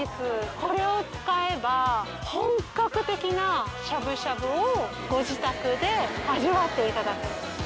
これを使えば本格的なしゃぶしゃぶをご自宅で味わっていただける。